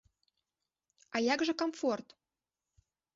А як жа камфорт?